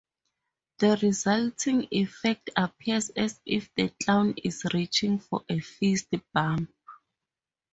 The resulting effect appears as if the clown is reaching for a fist bump.